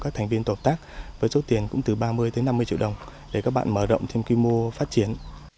các thành viên tổ tác với số tiền cũng từ ba mươi tới năm mươi triệu đồng để các bạn mở rộng thêm quy mô phát triển